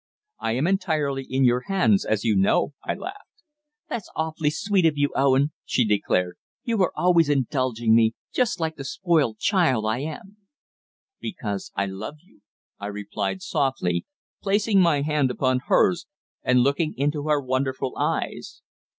"I am entirely in your hands, as you know," I laughed. "That's awfully sweet of you, Owen," she declared. "You are always indulging me just like the spoilt child I am." "Because I love you," I replied softly, placing my hand upon hers and looking into her wonderful eyes.